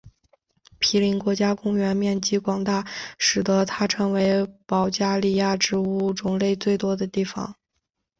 皮林国家公园面积广大使得它成为保加利亚植物种类最多的地方。